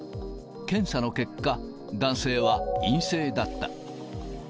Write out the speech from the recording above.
検査の結果、男性は陰性だった。